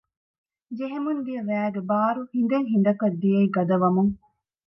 ޖެހެމުންދިޔަ ވައިގެ ބާރު ހިނދެއް ހިނދަކަށް ދިޔައީ ގަދަވަމުން